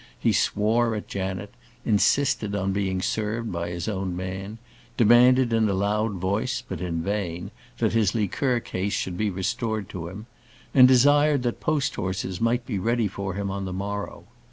He swore at Janet; insisted on being served by his own man; demanded in a loud voice, but in vain, that his liqueur case should be restored to him; and desired that post horses might be ready for him on the morrow.